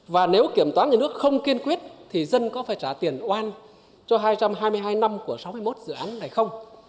và nếu kiểm toán nhà nước không kiên quyết thì dân có phải trả tiền oan cho hai trăm hai mươi hai năm của sáu mươi một dự án này không